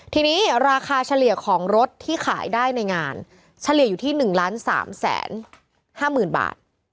ทีนี้ราคาเฉลี่ยของรถที่ขายได้ในงานเฉลี่ยอยู่ที่๑๓๕๐๐๐บาท